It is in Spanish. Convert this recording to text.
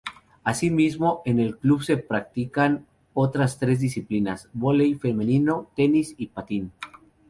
Asimismo, en el club se practican otras tres disciplinas: voley femenino, tenis y patín.